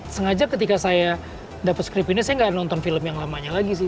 sengaja ketika saya dapet script ini saya gak nonton film yang lamanya lagi sih